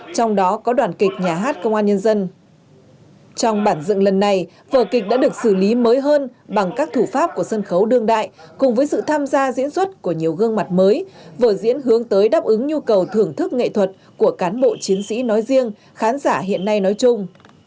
trong đó có đoàn kịch nhà hát công an nhân dân trong bản dựng lần này vở kịch đã được xử lý mới hơn bằng các thủ pháp của sân khấu đương đại cùng với sự tham gia diễn xuất của nhiều gương mặt mới vở diễn hướng tới đáp ứng nhu cầu thưởng thức nghệ thuật của cán bộ chiến sĩ nói riêng khán giả hiện nay nói chung